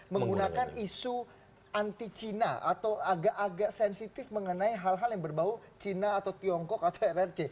menggunakan isu anti china atau agak agak sensitif mengenai hal hal yang berbau cina atau tiongkok atau rrc